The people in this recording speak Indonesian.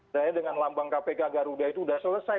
saya dengan lambang kpk garuda itu sudah selesai